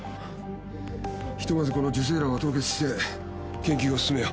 ひとまずこの受精卵は凍結して研究を進めよう。